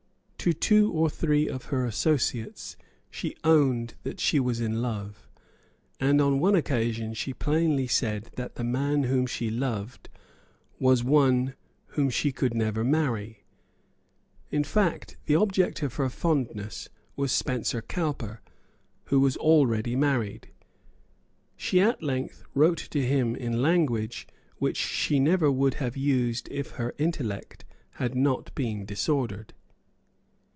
To two or three of her associates she owned that she was in love; and on one occasion she plainly said that the man whom she loved was one whom she never could marry. In fact, the object of her fondness was Spencer Cowper, who was already married. She at length wrote to him in language which she never would have used if her intellect had not been disordered.